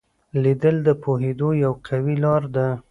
لیدل د پوهېدو یوه قوي لار ده